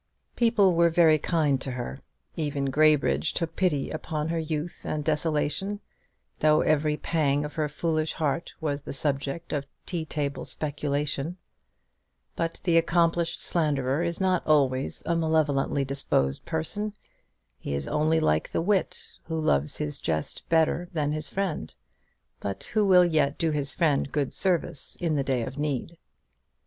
People were very kind to her. Even Graybridge took pity upon her youth and desolation; though every pang of her foolish heart was the subject of tea table speculation. But the accomplished slanderer is not always a malevolently disposed person. He is only like the wit, who loves his jest better than his friend; but who will yet do his friend good service in the day of need.